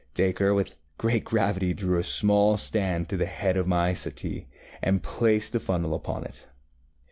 Dacre, with great gravity, drew a small stand to the head of my settee, and placed the funnel upon it.